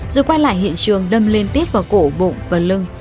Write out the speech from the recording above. rồi quay lại hiện trường đâm liên tiếp vào cổ bụng và lưng